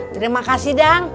terima kasih dam